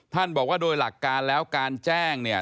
บอกว่าโดยหลักการแล้วการแจ้งเนี่ย